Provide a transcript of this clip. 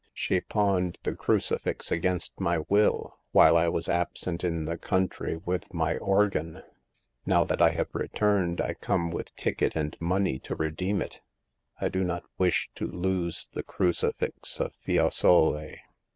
She pawned the crucifix against my will, while I was absent in the country with my organ. Now that I have returned, I come with ticket and money to redeem it. I do not wish to lose the Crucifix of Fiesole."